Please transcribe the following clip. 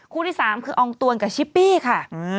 ที่๓คืออองตวนกับชิปปี้ค่ะ